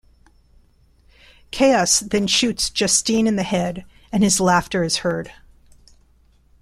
Chaos then shoots Justine in the head and his laughter is heard.